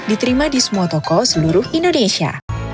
diterima di semua toko seluruh indonesia